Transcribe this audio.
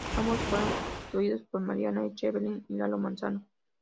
Ambos, fueron sustituidos por Mariana Echeverria y Lalo Manzano.